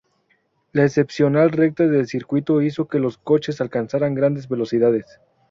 La excepcional recta del circuito hizo que los coches alcanzaran grandes velocidades.